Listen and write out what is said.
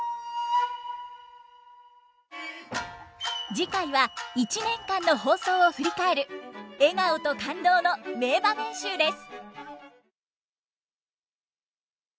次回は１年間の放送を振り返る笑顔と感動の名場面集です。